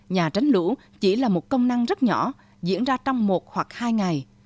nhà tránh lũ chỉ là một công năng rất nhỏ diễn ra trong một hoặc hai ngày